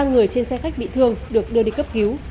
ba người trên xe khách bị thương được đưa đi cấp cứu